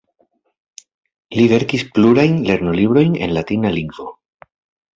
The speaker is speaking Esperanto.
Li verkis plurajn lernolibrojn en latina lingvo.